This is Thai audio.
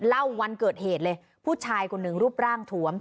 วันเกิดเหตุเลยผู้ชายคนหนึ่งรูปร่างถวม